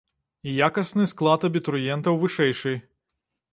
І якасны склад абітурыентаў вышэйшы.